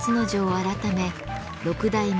改め六代目